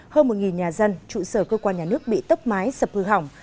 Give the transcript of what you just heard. hơn một nhà dân trụ sở cơ quan nhà nước bị tốc mái sập hư hỏng